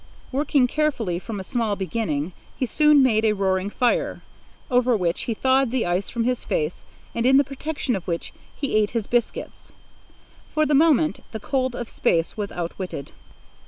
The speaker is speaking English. Working carefully from a small beginning, he soon had a roaring fire, over which he thawed the ice from his face and in the protection of which he ate his biscuits. For the moment the cold of space was outwitted.